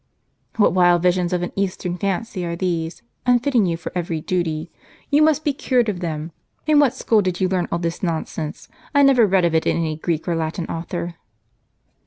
* "What wild visions of an eastern fancy are these, unfitting you for every duty ? You must be cured of them. In what school did you learn all this nonsense ? I never read of it in any Greek or Latin author."